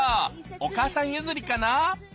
お母さん譲りかな？